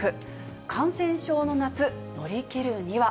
感染症の夏乗り切るには。